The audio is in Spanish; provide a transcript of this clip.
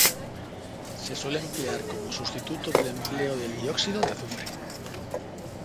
Se suele emplear como substituto del empleo del dióxido de azufre.